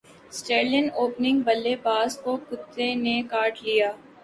سٹریلین opening بلے باز کو کتے نے کاٹ لیا